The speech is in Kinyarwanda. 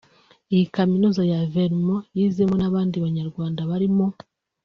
Iyi kaminuza ya Vermont yizemo n’abandi Banyarwanda barimo